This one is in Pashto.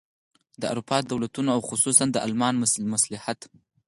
د اروپا د دولتونو او خصوصاً د المان مصلحت.